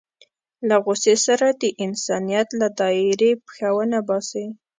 له غوسې سره د انسانيت له دایرې پښه ونه باسي.